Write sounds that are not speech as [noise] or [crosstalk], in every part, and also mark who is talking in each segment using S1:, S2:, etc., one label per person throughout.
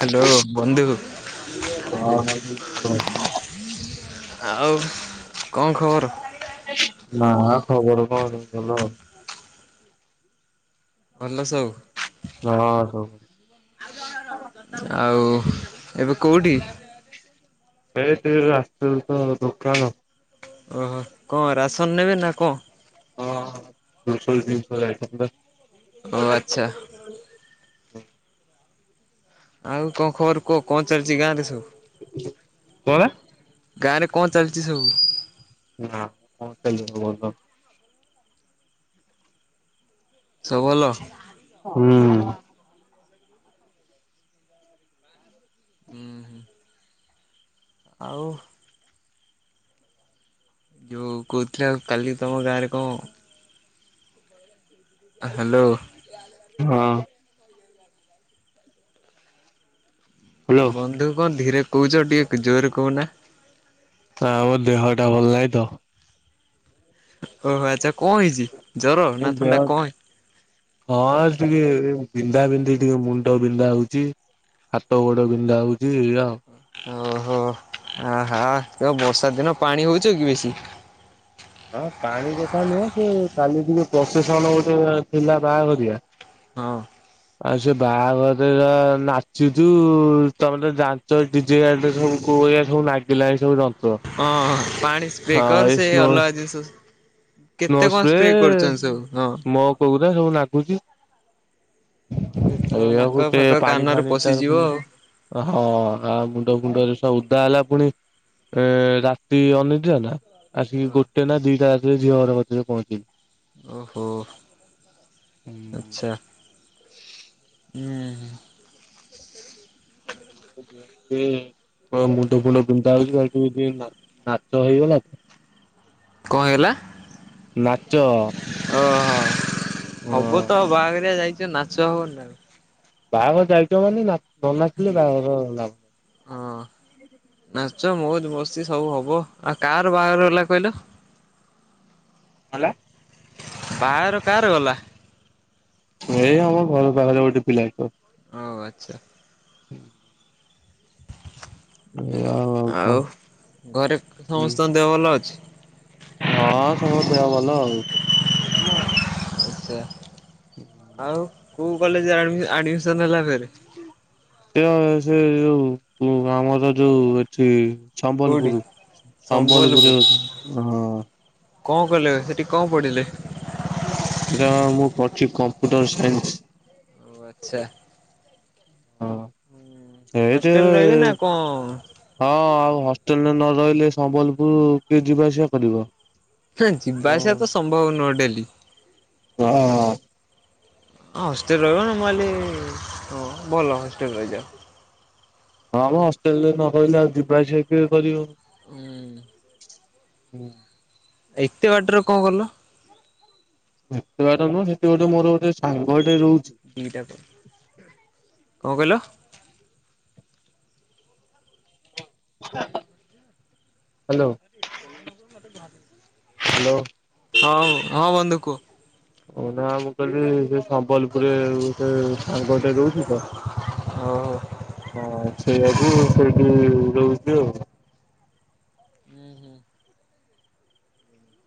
S1: Hello ବନ୍ଧୁ।
S2: ହଁ ବନ୍ଧୁ କୁହ।
S1: ଆଉ କଣ ଖବର?
S2: ନା ଖବର, କଣ ଭଲ।
S1: ଭଲ ସବୁ?
S2: ହଁ ସବୁ
S1: ଆଉ ଏବେ କୋଉଠି?
S2: ଏ ଟିକେ ଆସିଥିଲି ତ ଦୋକାନ।
S1: ଓହୋ କଣ ରାସନ ନେବେ ନା କଣ?
S2: ହଁ ଗ୍ରୋସରି ଜିନିଷ ଯାଇଥାନ୍ତା।
S1: ଓ ଆଚ୍ଛା। ଆଉ କଣ ଖବର କୁହ କଣ ଚାଲିଛି ଗାଁ ରେ ସବୁ?
S2: କଣ?
S1: ଗାଁ ରେ କଣ ଚାଲିଛି ସବୁ?
S2: ନା ବା କଣ ଚାଲିବ ଭଲ।
S1: ସବୁ ଭଲ?
S2: ହଁ।
S1: [unintelligible] ହୁଁ ହୁ। ଆଉ? ଯୋଉ କହୁଥିଲେ ଆ କାଲି ତମ ଗାଁରେ କଣ ହ୍ୟାଲୋ।
S2: ହଁ। ହ୍ୟାଲୋ
S1: ବନ୍ଧୁ କଣ ଧୀରେ କହୁଛ ଟିକେ ଜୋରରେ କହୁନା।
S2: ନାଁ ମ ଆମ ଦେହଟା ଭଲ ନାହିଁ ତ।
S1: ଓହୋ ଆଚ୍ଛା କଣ ହେଇଛି ଜର
S2: ଏ
S1: ନା
S2: ଦେହ
S1: ଥଣ୍ଡା କଣ?
S2: ହଁ ଟିକେ ବିନ୍ଧା ବିନ୍ଧି ଟିକେ ମୁଣ୍ଡ ବିନ୍ଧା ହଉଛି। ହାତ ଗୋଡ ବିନ୍ଧା ହଉଛି ଏଇଆ ଆଉ।
S1: ଓହୋ ଆହା ତ ବର୍ଷା ଦିନ ପାଣି ହଉଛ କି ବେଶୀ?
S2: ହଁ ପାଣି କଥା ନୁହଁ ସେ କାଲି ଟିକେ ପ୍ରସେସନ ଗୋଟେ ଥିଲା ବାହାଘରିଆ।
S1: ହଁ।
S2: ଆଉ ସେ ବାହାଘର ରେ ଯା ନାଚିଛୁ ତମେ ତ ଜାଣିଚ। ଡିଜେ ଗାଡି ରେ ସବୁ କୋଉ ଭଳିଆ ସବୁ ଲାଗିଲାଣି ସବୁ ଯନ୍ତ୍ର।
S1: ହଁ ପାଣି ସ୍ପ୍ରେ
S2: ହଁ
S1: କର
S2: ଏଇ
S1: ସେ
S2: ସ୍ନୋ
S1: ଅଲଗା ଜିନିଷ ସ
S2: ସ୍ନୋ
S1: କେତେ କଣ ସ୍ପ୍ରେ କରୁଛନ୍ତି ସବୁ ହଁ।
S2: କୋଉ ଗୁରା ସବୁ ଲାଗୁଛି।
S1: ସେ ତ ନାକ ଫାକ କାନରେ ପଶିଯିବ ଆଉ
S2: [unintelligible] ଓ ହ ଆଉ ମୁଣ୍ଡ ଫୁଣ୍ଡରୁ ସବୁ ଉଦା ହେଲା ପୁଣି। ଏ ରାତି ଅନିଦ୍ରା ନା ଆସିକି ଗୋଟେ ନା ଦିଟା ରାତିରେ ଝିଅ ଘର କତିରେ ପହଞ୍ଚିଲୁ।
S1: ଓହୋ ଆଚ୍ଛା। ଉଁ ହୁଁ।
S2: ଏ ଓମୁଣ୍ଡ ଫୁଣ୍ଡ ପିନ୍ଧା ହଉଛି ଭାଇ ଟିକେ ଯୋଉ ନାଚ ନାଚ ହେଇଗଲା ତ।
S1: କଁ ହେଇ ଗଲା।
S2: ନାଚ।
S1: ଓହୋ ହବ
S2: ହଁ
S1: ତ ବାହାଘରିଆ ଯାଇଛ ନାଚ ହବନି ଆଉ।
S2: ବାହାଘର ଯାଇଛ ମାନେ ନା ନ ନାଚିଲେ ବାହାଘର ନାଇଁ।
S1: ଅଁ। ନାଚ ମଉଜ ମସ୍ତି ସବୁ ହବ ଆଉ କାହାର ବାହାଘର ହେଲା କହିଲ।
S2: ହେଲା।
S1: ବାହାଘର କାହାର ଗଲା।
S2: ଏଇ ଆମ ଘର ପାଖରେ ଗୋଟେ ପିଲା ର।
S1: ଓ ଆଚ୍ଛା।
S2: ହୁଁ।
S1: ଆଉ ଘରେ
S2: ହୁଁ।
S1: ସମସ୍ତଙ୍କ ଦେହ ଭଲ ଅଛି।
S2: ହଁ ସବୁ ଦେହ ଭଲ ଆଉ।
S1: ଆଛା ଆଉ। କୋଉ କଲେଜରେ ଆଡ଼ମିସ ଆଡିମିସନ ହେଲା ଫେରେ।
S2: ସିଏ ସିଏ ଯୋଉ ଆମର ଯୋଉ ଏ ସେ
S1: କୋଉଠି?
S2: ସମ୍ବଲପୁର ସମ୍ବଲପୁରରେ ହଁ।
S1: କଁ କଲେ ସେଠି କଁ ପଢିଲେ।
S2: ଯା ହଉ ମୁଁ ପଢଛି କମ୍ପ୍ୟୁଟର ସାଇନ୍ସ।
S1: ଓ ଆଚ୍ଛା।
S2: ହଁ
S1: ହଷ୍ଟେଲ
S2: ସେଇଥେରେ।
S1: ରହିବେ ନା କଣ?
S2: ହଁ ଆଉ ହଷ୍ଟେଲରେ ନ ରହିଲେ ସମ୍ବଲପୁରୁ କିଏ ଯିବା ଆସିବା କରିବ।
S1: ହେ
S2: ହଁ
S1: ଯିବା ଆସିବା ତ ସମ୍ଭବ ନୁହେଁ ଡେଲି।
S2: [unintelligible]
S1: ହଁ ହଷ୍ଟେଲରେ ରହିବ ନା ମୁଁ ଭାବିଲି ହଁ ଭଲ ହଷ୍ଟେଲ ରହି ଯାଅ।
S2: ହଁ ମ ହଷ୍ଟେଲ ରେ ନ ରହିଲେ ଆଉ ଯିବାସିବା କିଏ କରିବ।
S1: ଉଁ।
S2: ହୁଁ।
S1: ଏତେ ବାଟରେ କଁ କଲ।
S2: ଏତେ ବାଟ ନୁହଁ ସେଠି ଗୋଟେ ମୋର ଗୋଟେ ସାଙ୍ଗ ଟେ ରହୁଛି।
S1: କଁ କହିଲ।
S2: ହାଲୋ।
S1: [unintelligible]
S2: ହାଲୋ।
S1: ହଁ ବ ହଁ ବନ୍ଧୁ କୁହ?
S2: ହଉ ନା ମୁଁ କହିଲି ସିଏ ସମ୍ବଲପୁରରେ ଗୋଟେ ସାଙ୍ଗଟେ ରହୁଚି ତ
S1: ଓହୋ
S2: ହଁ ସେଇଆକୁୁ ସେଇଠି ରହୁଚି ଆଉ।
S1: ଉଁ ହୁଁ।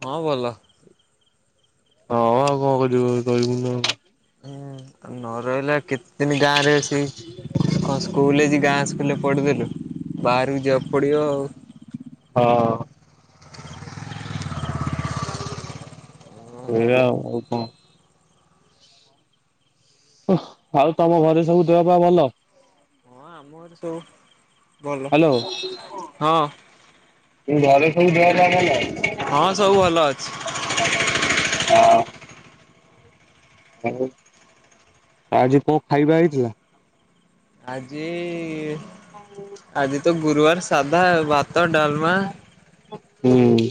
S1: ହଁ ଭଲ।
S2: ହଁ ଆଉ କଣ କରିବୁ ରହିବୁନୁ ଆଉ।
S1: ହୁଁ ନ ରହିଲେ ଆଉ କେତେ ଦିନି ଗାଁ ରେ ଏସି ଖସ ଖସ ସ୍କୁଲ ହେଇଚି ଗାଁ ସ୍କୁଲରେ ପଢ଼ିଦେଲୁ ବାହାରକୁ ଯିବାକୁ ପଡ଼ିବ ଆଉ।
S2: ହଁ।
S1: ଓହୋ
S2: ଏଇରା ଆଉ ଆଉ କଣ? ଓଃ ଆଉ ତମ ଘରେ ସବୁ ଦେହ ପା ଭଲ?
S1: ମୋର ସବୁ ଭଲ
S2: ହାଲୋ
S1: ହଁ।
S2: କିନ୍ତୁ ଘରେ ସବୁ ଦେହ ପା ଭଲ?
S1: ହଁ ସବୁ ଭଲ ଅଛି।
S2: ହଁ। ଆଉ ଆଜି କଣ ଖାଇବା ହେଇଥିଲା?
S1: ଆଜି ଇ ଇ
S2: ହଁ।
S1: ଆଜି ତ ଗୁରୁବାରେ ସାଧା ଭାତ, ଡାଲମା
S2: ହୁଁ।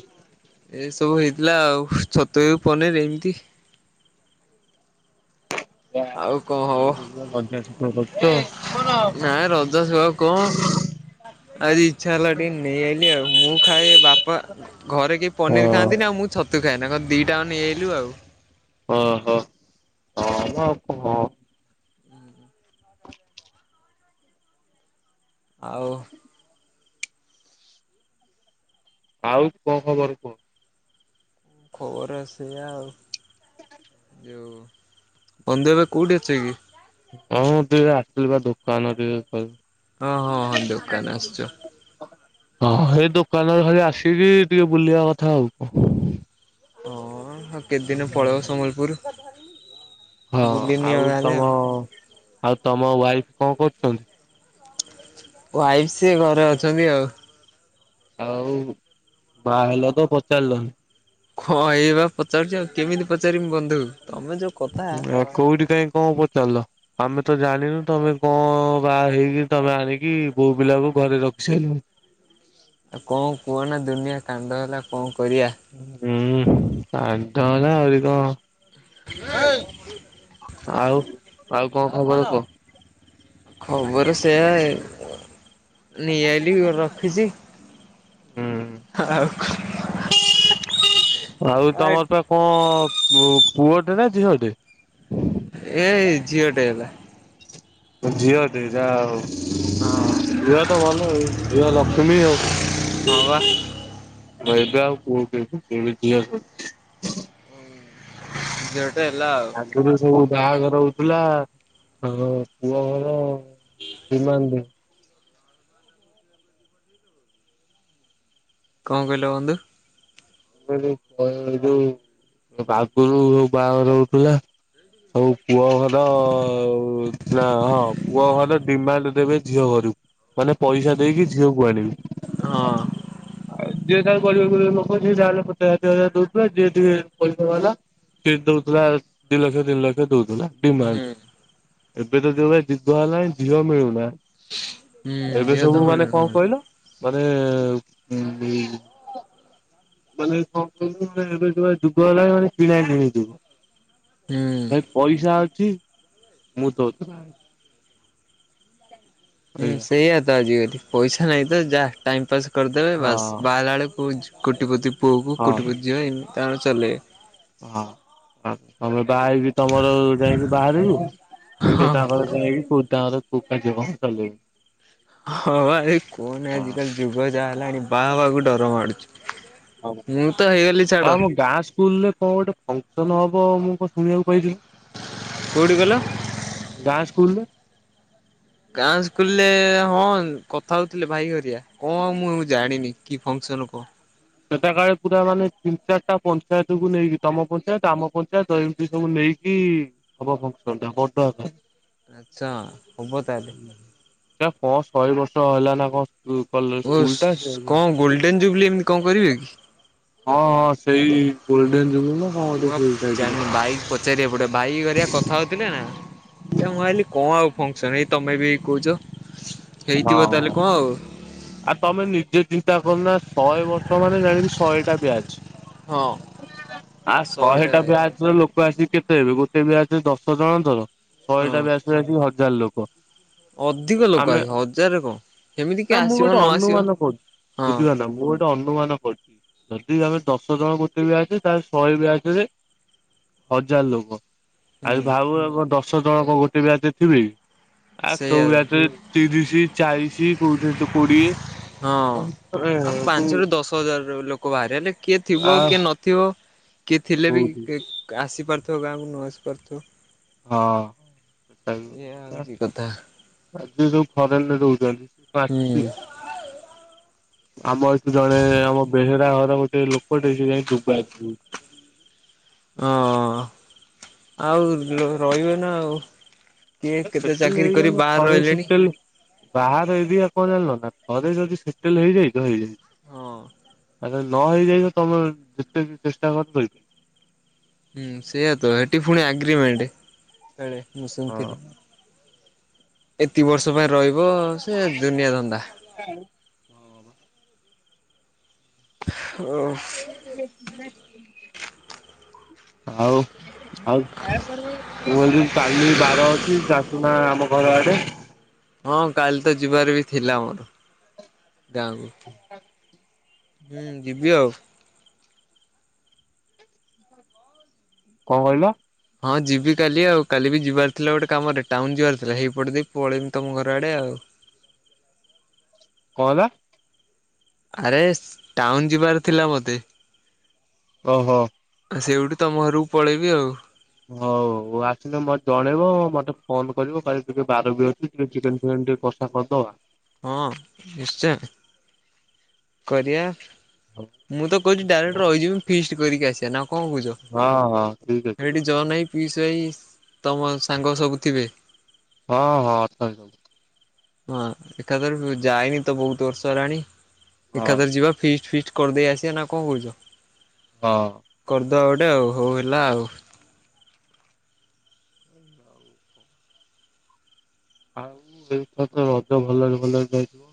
S1: ଏସବୁ ହେଇଥିଲା ଆଉ ଛତୁୁ ହେଉ ପନିରି ଏମିତି।
S2: ହଁ
S1: ଆଉ କଣ ହବ? ନାଁ ରଜ ସକାଳୁ କଣ ଆଜି ଇଚ୍ଛା ହେଲା ଟିକେ ନେଇ ଆଇଲି ଆଉ ମୁଁ ଖାଏ ବାପ ପା ଘରେ କେହି ପନିର ଖାଆନ୍ତିନି ଆଉ ମୁଁ ଛତୁ ଖାଏନା ଘରେ ଦିଇଟା ଯାଙ୍କ ନେଇଆଇଲୁ ଆଉ।
S2: ଓହୋ ହଁ ମ ଆଉ କଣ?
S1: ଆଉ
S2: ଆଉ କଣ ଖବର କୁହ?
S1: ଖବର ସେଇଆ ଆଉ ଯୋଉ ବନ୍ଧୁ ଏବେ କୋଉଠି ଅଛ କି?
S2: ହଁ ମୁଁ ଟିକେ ଆସଥିଲି ବା ଦୋକାନ ଟିକେ କହି
S1: ହଁ ହଁ ହଁ ଦୋକାନ ଆସଚ।
S2: ହଁ ହେଇ ଦୋକାନରେ ଖାଲି ଆସିକି ଟିକେ ବୁଲିବା କଥା ଆଉ।
S1: ହଁ କେତେ ଦିନେ ପଲେଇବ ସମ୍ବଲପୁରୁ?
S2: ହଁ ଆଉ ତମ ଆଉ ତମ ୱାଇଫ୍ କଣ କରୁଚନ୍ତି?
S1: ୱାଇଫ୍ ସିଏ ଘରେ ଅଛନ୍ତି ଆଉ।
S2: ଆଉ ବାହା ହେଲ ତ ପଚାରଲନି।
S1: ହଁ ଏଇ ବା ପଚାରୁଚି ଆଉ କେମିତି ପଚାରିମି ବନ୍ଧୁ ତମେ ଯୋଉ କଥା
S2: ଆ
S1: ଆଉ
S2: କୋଉଠି କାଇଁ କଣ ପଚାରଲ? ଆମେ ତ ଜାଣିନୁ ତମେ କଣ ବାହା ହେଇକି ତମେ ଆଣିକି ବୋହୁ ପିଲାକୁ ଘରେ ରଖି ସାଇଲଣି।
S1: ଆଉ କଣ କୁହନା ଦୁନିଆ କାଣ୍ଡ ହେଲା କଣ କରିବା।
S2: ହୁଁ କାଣ୍ଡ ହେଲା ଆହୁରି କଣ? ଆଉ ଆଉ କଣ ଖବର କୁହ?
S1: ଖବର ସେୟା ଏ ନେଇଆଇଲି ରଖିଚି।
S2: ହୁଁ
S1: ହଁ ଆଉ
S2: ଆଉ ତମର ପା କଣ ପୁଅଟେ ନା ଝିଅ ଟେ?
S1: ଏଇ ଝିଅଟେ ହେଲା।
S2: ଝିଅଟେ ଯା ହଉ
S1: ହଁ
S2: ଝିଅ ତ ଭଲ ଝିଅ ଲକ୍ଷ୍ମୀ ଆଉ।
S1: ହବା।
S2: ଭାଇବେ ଆଉ ପୁଅ କଣ କେବେ ଯି [unintelligible]
S1: ଝିଅ ଟେ ହେଲା ଆଉ।
S2: ଆଗ ରୁ ସବୁ ବାହାଘର ହଉଥିଲା ତାଙ୍କ ପୁଅ ଘର ଦିମାଣ୍ଡିଂ।
S1: କଣ କହିଲ ବନ୍ଧୁ?
S2: ଯୋଉ ବାହା ଘର ଆଗରୁ ଯୋଉ ବାହାଘର ରହୁଥିଲା ହଉ ପୁଅ ଘର ନା ହଁ ପୁଅ ଘର ଡିମାଣ୍ଡ ଦେବେ ଝିଅ ଘରକୁ। ମାନେ ପଇସା ଦେଇକି ଝିଅକୁ ଆଣିବେ।
S1: ହଁ।
S2: ଆଉ ଯିଏ ତା ଲୋକ ଯିଏ ଯାହାହେଲେ ପଚାଷ ଷାଠିଏ ହଜାର ଦେଉଥିଲା ଯିଏ ଟ ପରଲା ସିଏ ଦଉଥିଲା ଦି ଲକ୍ଷ ତିନି ଲକ୍ଷ ଦଉଥିଲା।
S1: ହୁଁ
S2: ଏବେ ତ ଯେଉଁ ଭଳିଆ ଯୁଗ ହେଲାଣି ଝିଅ ମିଳୁନାହନ୍ତି।
S1: ହୁଁ
S2: ଏବେ
S1: ଝିଅ ତ
S2: ସବୁ ମାନେ କଣ
S1: ମିଳୁନି
S2: କହିଲ ମାନେ ଉ ମାନେ କଣ କହିଲୁ ଏବେ ଯୁ ଯୁଗ ହେଲା ମାନେ କିଣା କିଣି ଯୁ
S1: ହୁଁ।
S2: ଭ ପଇସା ଅଛି ମୁଁ ଦଉଥିଲି
S1: ହୁଁ
S2: ଏଇଆ
S1: ସେଇଆ ତ ଆଜିକାଲି ପଇସା ନାଇଁ ତ ଯାହା ଟାଇମ ପାସ୍ କରିଦେବେ ବାସ୍
S2: ହଁ
S1: ବାହାରିଲା ବେଳେ କେ କୋଟିପତି ପୁଅକୁ
S2: ହଁ
S1: କୋଟିପତି ଯିବ ଏମିତି ତାଙ୍କ ଚଲେଇବେ।
S2: ହଁ ତମେ ବାହା ତମର ଯାଇକି ବାହାରିବୁ ସେ
S1: ହଁ।
S2: ତାଙ୍କରେ ଯାଇକି କୋଉ ତାଙ୍କରେ କଉ କାର୍ଯ୍ୟ କଣ ଚଲେଇବ।
S1: ହଁ ବା ଏ କୁହନି
S2: ହଁ।
S1: ଆଜିିକାଲି ଯୁଗ ଯାହା ହେଲାଣି ବାହା ହେବାକୁ ଡର ମାଡୁଛି।
S2: ହଁ
S1: ମୁଁ ତ ହେଇଗଲି ଛାଡ
S2: ହଉ ମୋ ଗାଁ ସ୍କୁଲରେ କଣ ଗୋଟେ ଫଙ୍କସନ ହବ ମୁଁ କଣ ଶୁଣିବାକୁ ପାଇଥିଲି।
S1: କୋଉଠି କହିଲ?
S2: ଗାଁ ସ୍କୁଲରେ।
S1: ଗାଁ ସ୍କୁଲରେ ହଁ କଥା ହଉଥିଲେ ଭାଇ ହରିଆ କଣ ମୁଁ ଜାଣିନି। କି ଫଙ୍କସନ୍ କହ?
S2: ସେଟା କଳେ ପୁରା ମାନେ ତିନି ଚାରିଟା ପଞ୍ଚାୟତକୁୁ ନେଇକି ତମ ପଞ୍ଚାୟତ ଆମ ପଞ୍ଚାୟତ ଦ ସବୁ ନେଇକି କି ହବ [unintelligible]
S1: ଆଚ୍ଛା ହବ ତାହେଲେ।
S2: ଆ କଣ ଶହେ ବର୍ଷ ହେଲା ନା କଣ ସ୍କୁଲ ଟା ଏବେ?
S1: ଯୁବୁଲି ଏମିତି କଣ କରିବେ କି?
S2: ହଁ ହଁ ସେଇ ଗୋଲଡେନ୍ ଯୁବଲି।
S1: ମୁଁ ଜ ବାଇକ ପ [unintelligible] ପଚାରି ବାକୁ ପଡିବ ଭାଇ ହେରିକା କଥା ହଉଥିଲେ ନା ସେ ମୁଁ ଭାବିଲି କଣ ଆଉ ଫକ୍ସନ ଏଇ ତମେ ବି କହୁଛ। ହେଇଥିବ ତାହେଲେ କଣ ଆଉ
S2: ହଁ। ଆଉ ତମେ ନିଜେ ଚିନ୍ତା କରୁନା ଶହେ ବର୍ଷ ମାନେ ଜାଣିକି ଶହେ ଟା ବ୍ୟାଜ।
S1: ହଁ
S2: ଆ ଶହେ
S1: ଶହେଟା
S2: ଟା
S1: ଅଛି
S2: ବ୍ୟାଚର ଲୋକ ଆସି କେତେ ତେ ଗୋଟେ ବି ଆସିବେ ଦଶ ଜଣ ତର
S1: ହଁ
S2: ଶହେଟା ବି ଆସିବେ ହଜାର ଲୋକ।
S1: ଅଧିକ ଲୋକ
S2: ଆମେ
S1: ଆସିବେ ହଜାର କଣ। ସେମିତି
S2: ନା
S1: କିଏ
S2: ମୁଁ
S1: ଆସିବ
S2: ଗୋଟେ
S1: ନ ଆସିବ
S2: ଅନୁମାନ କହୁଛି
S1: ହଁ
S2: ବୁଝିଲ ନାଁ ମୁଁ ଗେ ଅନୁମାନ କରୁଛି ଯଦି ଆମେ ଦଶ ଜଣ ଗୋଟେ ବିହାଜେ ତାହେଲେ ଶହେ ବି ଆସରେ ହଜାର ଲୋକ ଆଉ
S1: ହୁଁ
S2: ଭାବୁ ଆମ ଦଶ ଜଣଙ୍କ ଗୋଟେ ବ୍ୟାଚରେ ଥିବି ଆ
S1: ସେଇଆ
S2: କୋଉ
S1: ତ
S2: ବ୍ୟାରେ ତିରିଶ ଚାଳିଶି କୋଉଠି କୋଡ଼ିଏ
S1: ହଁ ଆଉ ପାଞ୍ଚରୁ ଦଶ ଦଶ ହଜାର ଲୋକ ବାହାରି ହେଲେ କିଏ ଥିବ କିଏ ନଥିବ କିଏ ଥିଲେ ବି ଆସିପାରୁଥିବ ଗାଁକୁ ନ ଆସିପାରୁଥିବ
S2: ହଁ ସେଟାବି ଗୋଟେ
S1: ଏଇଆ ହଉଛି
S2: କଥା ଆଜି ଯୋଉ ଫରେନରେ
S1: ହୁଁ
S2: ରହୁଛନ୍ତି। [unintelligible] ଆମ ଏଠୁ ଜଣେ ଆମ ବେହେରା ଘର ଗୋଟେ ଲୋକଟେ ସେ ଯାଇ ଡୁବା [unintelligible]
S1: ହଁ ଆଉ ରହିବେ ନା ଆଉ କିଏ କେତେ
S2: ସେଟେଲ୍
S1: ଚାକିରି କରି
S2: ହେଇଗଲେ
S1: ବାହ
S2: ଥରେ
S1: ରହିଲେଣି।
S2: ସେଟେଲ୍ ବାହାର ଏବେ ଆଉ କଣ ଜାଣିଲ ନା ଥରେ ଯଦି ସେଟଲ ହେଇଯାଇ ତ ହେଇଯାଇଛି
S1: ହଁ।
S2: ଆ ନ ହେଇଯାଇବ ତମେ ଚେଷ୍ଟା କରି ରହିବ।
S1: ହୁଁ ସେଇଆ ତ ସେଠି ପୁଣି ଆଗ୍ରିମେଣ୍ଟ କଳେ ମୁଁ
S2: ହଁ
S1: ଶୁଣିଥିଲି। ଏତି ବର୍ଷ ପାଇଁ ରହିବ ସେ ଦୁନିଆ ଧନ୍ଦା
S2: ହଁ
S1: ଓ
S2: ଆଉ ଆଉ କଛ କାଲି ବାର ଅଛି ଆସୁନା ଆମ ଘର ଆଡ଼େ।
S1: ହଁ କାଲି ତ ଯିବାର ବି ଥିଲା ମୋର ଗାଁକୁ। ହୁଁ ଯିବି ଆଉ।
S2: କଣ କହିଲ?
S1: ହଁ ଯିବି କାଲି ଆଉ କାଲି ବି ଯିବାର ଥିଲା ଗୋଟେ କାମରେ ଟାଉନ ଯିବାର ଥିଲା ହେଇପଟେ ଦେଇ ପଳେଇମି ତମ ଘର ଆଡ଼େ ଆଉ।
S2: କଣ ହେଲା?
S1: ଆରେ ଟାଉନ ଯିବାର ଥିଲା ମୋତେ।
S2: ଓହୋ
S1: ଆ ସେଇଠି ତମ ଘରକୁ ପଳେଇବି ଆଉ।
S2: ହଉ ଆସିଲେ ମୋତେ ଜଣେଇବ ମତେ ଫୋନ କରିବ କାଲି ଟିକେ ବାର ବି ଅଛି ଟିକେ ଚିକେନ ଫିକନ୍ ଟିକେ କସା କରିଦବା।
S1: ହଁ ନିଶ୍ଚୟ। କରିବା
S2: ହଁ
S1: ମୁଁ ତ କହୁଛି ଡାଇରେକ୍ଟ ରହିଛି ଫିଷ୍ଟ କରିକି ଆସିବା ନା କଣ କହୁଛ।
S2: ହଁ ହଁ ଠିକ୍ ଅଛି।
S1: ଏଇଠି ଜନ୍ ଭାଇ ପିୟୁଷ ଭାଇ ତମ ସାଙ୍ଗ ସବୁ ଥିବେ।
S2: ହଁ ହଁ ଅଛନ୍ତି ସବୁ।
S1: ହଁ ଏକାଥରେ ଯାଇନି ତ ବହୁତ ବର୍ଷ ହେଲାଣି
S2: ହଁ
S1: ଏକାଥରେ ଯିବା ଫିଷ୍ଟ ଫିଷ୍ଟ କରିଦେଇ ଆସିବା ନା କଣ କହୁଛ?
S2: ହଁ
S1: କରିଦେବା ଗୋଟେ ଆଉ ହଉ ହେଲା ଆଉ।
S2: ହ ହଉ। ଆଉ ଏଇଥ ତ ରଜ ଭଲରେ ଭଲରେ ଯାଇଥିବ।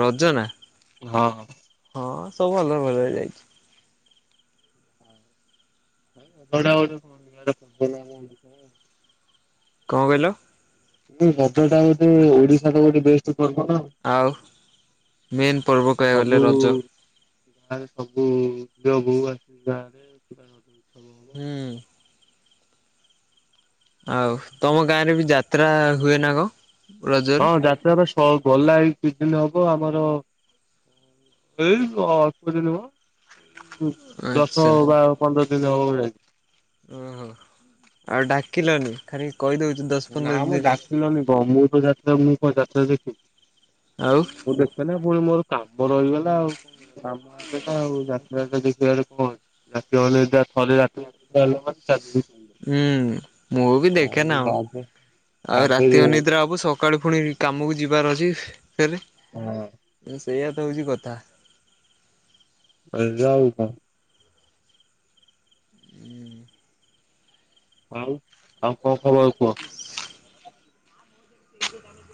S1: ରଜ ନା
S2: ହଁ ହଁ
S1: ହଁ ସବୁ ଭଲରେ ଭଲରେ ଯାଇଛି।
S2: ହଁ ବ [unintelligible]
S1: କଣ କହିଲ?
S2: ମଦ ଟା ହଉଛି ଓଡିଶାର ଗୋଟେ ବେଷ୍ଟ ପର୍ବ ନା
S1: ଆଉ ମେନ୍ ପର୍ବ କହିବାକୁ
S2: ସବୁ
S1: ଗଲେ ରଜ।
S2: ଗାଁରେ ସବୁ ଝିଅ ବୋଉ ଆସ ଗାଁ ରେ ହ ହ [unintelligible]
S1: ହୁଁ। ଆଉ ତମ ଗାଁରେ ବି ଯାତ୍ରା ହୁଏ ନା କଣ?
S2: ହଁ
S1: ରଜରେ
S2: ଯାତ୍ରା ଗଲା କିଛି ଦିନ ହବ ଆମର ଏଇ ଅଳ୍ପ ଦିନ ହ ଏଇ ଦଶ
S1: ଆଚ୍ଛା
S2: ବା ପନ୍ଦର ଦିନ ହବ ଯାଇଛି।
S1: ଓହୋ ଆଉ ଡାକିଲନି ଖାଲି କହିଦଉଛନ୍ତି ତ
S2: ନା ମୁଁ ଡ଼ାକିଲନି କ ମୁଁ ତ ଯାତ୍ରା ମୁଁ କଣ ଯାତ୍ରା ଦେଖି
S1: ଆଉ
S2: ମୁଁ ଦେ କଁ ନା ପୁଣି ମୋର କାମ ରହିଗଲା ଆଉ କଣ କହ କାମ ଆସଲା ଆଉ ଯାତ୍ରା ଯାତା ଦେଖିବା କଣ ଅଛି। ରାତି ଥରେ ରାତି [unintelligible]
S1: ହୁଁ ମୁଁ ବି ଦେଖେ ନା ଆଉ ଆଉ ରାତି
S2: ଆଗରେ
S1: ଅନ
S2: ହଁ
S1: ନିଦ୍ରା ଆବ ସକା ସକାଳୁ ପୁଣି କାମକୁ ଯିବାର ଅଛି ଫେରେ ସେଇଆ ତ ହେଉଛି କଥା।
S2: ଆ ଯାଉ କଣ [unintelligible] ହଉ ଆଉ କଣ ଖବର କୁହ?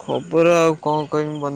S1: ଖବର ଆଉ କଣ କହିବି ବନ